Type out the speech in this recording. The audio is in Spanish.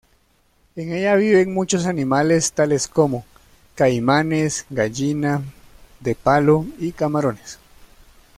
En ella viven muchos animales tales como: caimanes, gallina de palo y camarones.